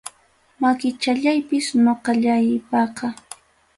Makichallaypis ñoqallaypaqa.